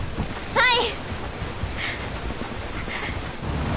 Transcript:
はい！